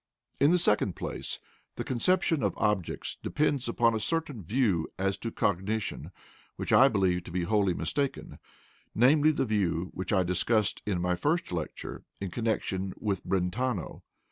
In the second place, the conception of "objects" depends upon a certain view as to cognition which I believe to be wholly mistaken, namely, the view which I discussed in my first lecture in connection with Brentano.